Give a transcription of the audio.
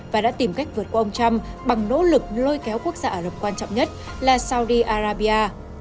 và đã tìm cách vượt qua ông trump bằng nỗ lực lôi kéo quốc gia ả rập quan trọng nhất là saudi arabia